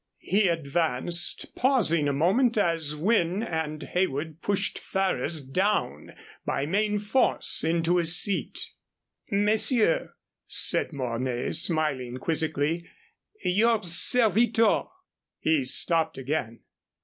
He advanced, pausing a moment as Wynne and Heywood pushed Ferrers down by main force into his seat. "Messieurs," said Mornay, smiling quizzically, "your servitor." He stopped again.